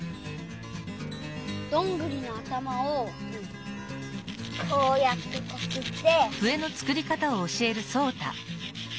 どんぐりの頭をこうやってこすって。